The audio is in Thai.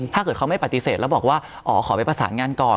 ถ้าเกิดเขาไม่ปฏิเสธแล้วบอกว่าอ๋อขอไปประสานงานก่อน